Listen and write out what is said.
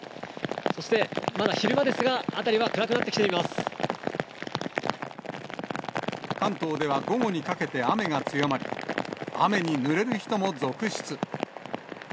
そしてまだ昼間ですが、辺りは暗関東では午後にかけて雨が強まり、雨にぬれる人も続出。